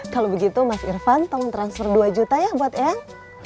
kalau begitu mas irfan tolong transfer dua juta ya buat eyang